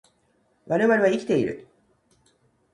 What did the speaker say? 我々は生きている